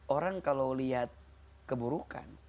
orang kalau lihat keburukan